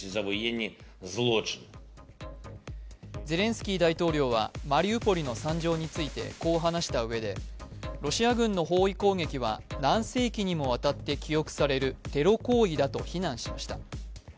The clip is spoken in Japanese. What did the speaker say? ゼレンスキー大統領はマリウポリの惨状についてこう話したうえでロシア軍の包囲攻撃は何世紀にもわたって記憶されるテロ行為だと非難しました。